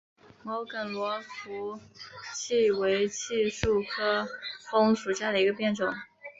毛梗罗浮槭为槭树科枫属下的一个变种。